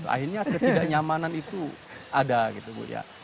akhirnya ketidaknyamanan itu ada